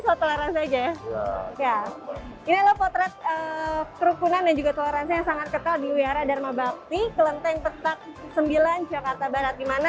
kelenteng petak sembilan jakarta barat